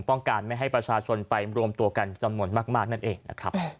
ป้องกันไม่ให้ประชาชนไปรวมตัวกันจำนวนมากนั่นเองนะครับ